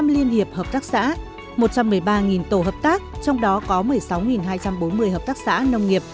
một mươi liên hiệp hợp tác xã một trăm một mươi ba tổ hợp tác trong đó có một mươi sáu hai trăm bốn mươi hợp tác xã nông nghiệp